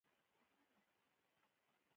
شک بد دی.